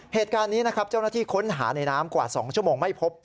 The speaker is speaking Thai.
เหตุการณ์นี้นะครับเจ้าหน้าที่ค้นหาในน้ำกว่า๒ชั่วโมงไม่พบ